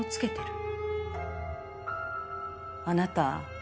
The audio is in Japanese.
あなた